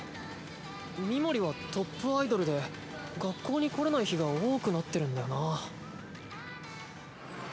ミモリはトップアイドルで学校に来れない日が多くなってるんだよな。